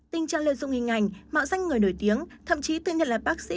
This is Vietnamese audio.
tình trạng lợi dụng nghi ngành mạo danh người nổi tiếng thậm chí tự nhiên là bác sĩ